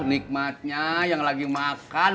nikmatnya yang lagi makan